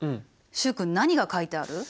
習君何が描いてある？